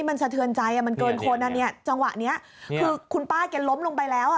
มันสะเทือนใจมันเกินคนจังหวะนี้คือคุณป้าล้มลงไปแล้ว